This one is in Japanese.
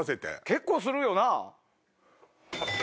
結構するよな？